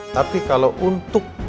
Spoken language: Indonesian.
tapi kalau untuk